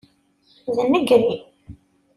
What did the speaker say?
D nnger-im!